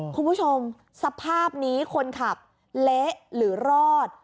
คุณผู้ชมสภาพนี้คนขับเละหรือรอด